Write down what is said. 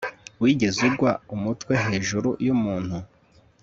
wigeze ugwa umutwe hejuru yumuntu